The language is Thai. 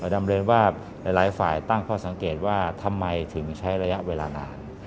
ดำเนินว่าหลายฝ่ายตั้งข้อสังเกตว่าทำไมถึงใช้ระยะเวลานาน